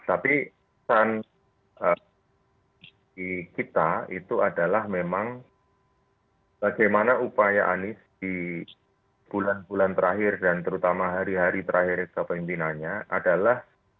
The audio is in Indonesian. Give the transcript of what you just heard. jadi kesan kita itu adalah memang bagaimana upaya anies di bulan bulan terakhir dan terutama hari hari terakhir kepentingannya adalah